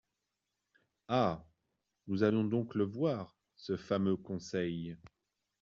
Ah ! nous allons donc le voir, ce fameux Conseil !".